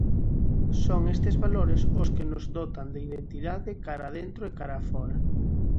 Son estes valores os que nos dotan de identidade cara a dentro e cara a fóra.